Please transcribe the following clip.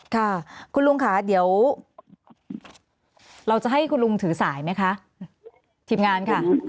ค่ะคุณลุงค่ะเดี๋ยวเราจะให้คุณลุงถือสายไหมคะทีมงานค่ะ